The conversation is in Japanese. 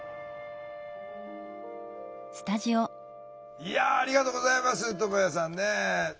いやありがとうございますともやさんねえ。